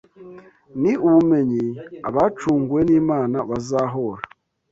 Ni ubumenyi abacunguwe n’Imana bazahora